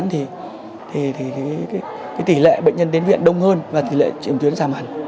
thì tỷ lệ bệnh nhân đến viện đông hơn và tỷ lệ chuyển tuyến giảm hẳn